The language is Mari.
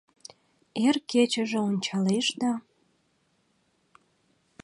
Эр кечыже ончалеш да